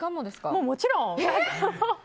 もちろん。